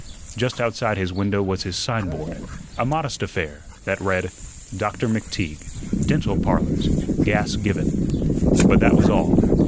Just outside his window was his signboard a modest affair that read: "Doctor McTeague. Dental Parlors. Gas Given"; but that was all.